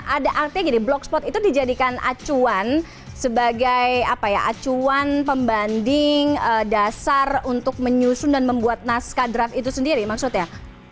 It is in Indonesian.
ada artinya gini blog spot itu dijadikan acuan sebagai acuan pembanding dasar untuk menyusun dan membuat naskah draft itu sendiri maksudnya